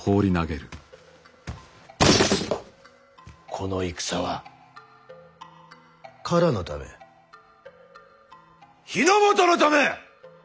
この戦は唐のため日ノ本のため！